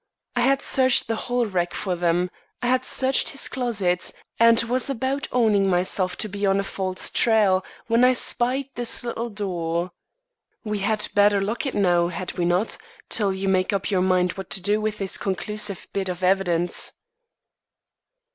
"I had searched the hall rack for them; I had searched his closets; and was about owning myself to be on a false trail, when I spied this little door. We had better lock it, now, had we not, till you make up your mind what to do with this conclusive bit of evidence."